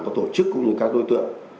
có tổ chức cũng như các đối tượng